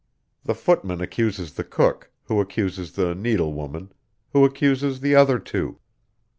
The footman accuses the cook, who accuses the needlewoman, who accuses the other two.